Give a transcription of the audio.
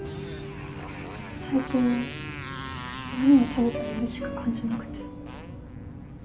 最近は何を食べてもおいしく感じなくて。